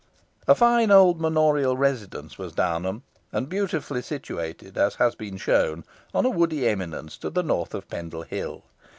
A fine old manorial residence was Downham, and beautifully situated, as has been shown, on a woody eminence to the north of Pendle Hill.